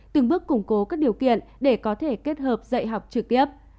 từng bước củng cố các điều kiện để có thể kết hợp dạy học trực tiếp